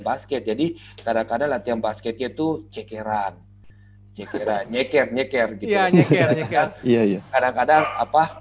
basket jadi kadang kadang latihan basket yaitu cekeran cekernya care care ya kadang kadang apa